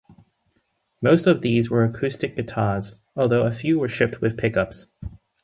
Most of these were acoustic guitars, although a few were shipped with pickups.